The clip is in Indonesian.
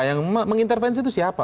yang mengintervensi itu siapa